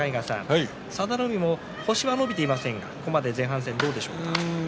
佐田の海も星は伸びていませんがここまで前半戦どうでしょうか？